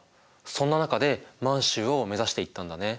そんな中で満洲を目指していったんだね。